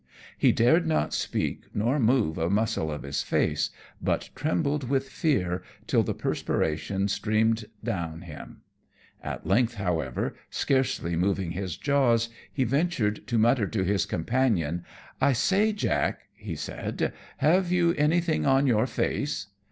He dared not speak nor move a muscle of his face, but trembled with fear till the perspiration streamed down him. At length, however, scarcely moving his jaws, he ventured to mutter to his companion, "I say, Jack," he said, "have you anything on your face?"